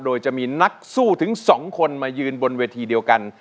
โดยจะมีนักสู้ถึง๒คนมายืนบนเวทีเดียวกัน